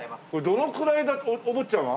どのくらいでお坊ちゃまは？